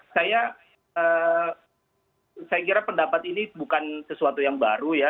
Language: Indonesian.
saya kira pendapat ini bukan sesuatu yang baru ya